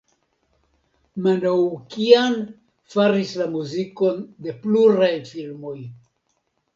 Manoukian faris la muzikon de pluraj filmoj.